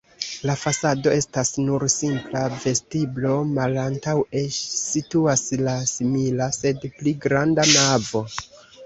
La fasado estas nur simpla vestiblo, malantaŭe situas la simila, sed pli granda navo.